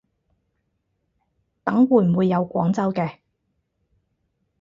等會唔會有廣州嘅